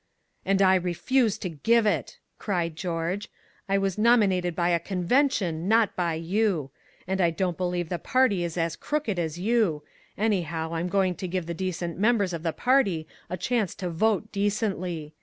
"And I refuse to give it!" cried George. "I was nominated by a convention, not by you. And I don't believe the party is as crooked as you anyhow I'm going to give the decent members of the party a chance to vote decently!